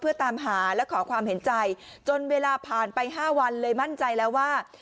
เพื่อตามหาและขอความเห็นใจจนเวลาผ่านไป๕วันเลยมั่นใจแล้วว่า